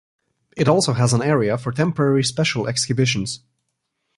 It also has an area for temporary special exhibitions.